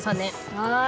はい。